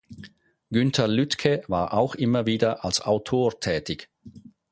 Günter Lüdke war auch immer wieder als Autor tätig.